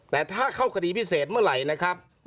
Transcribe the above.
แต่ถ้าเข้าคดีพิเศษเมื่อไหร่นะครับ